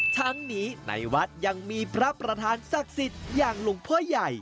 ทั้งนี้ในวัดยังมีพระประธานศักดิ์สิทธิ์อย่างหลวงพ่อใหญ่